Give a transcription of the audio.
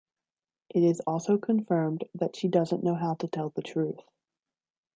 It is also confirmed that she doesn't know how to tell the truth.